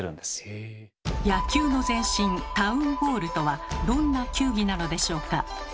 野球の前身タウン・ボールとはどんな球技なのでしょうか？